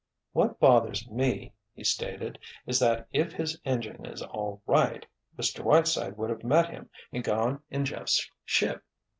"What bothers me," he stated, "is that if his engine is all right, Mr. Whiteside would have met him and gone in Jeff's ship."